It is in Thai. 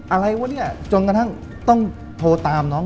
อะไรวะเนี่ยจนกระทั่งต้องโทรตามน้อง